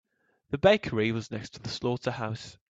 The bakery was next to the slaughterhouse.